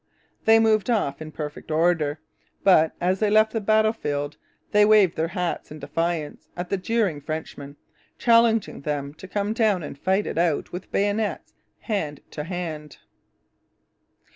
They moved off in perfect order; but, as they left the battlefield, they waved their hats in defiance at the jeering Frenchmen, challenging them to come down and fight it out with bayonets hand to hand.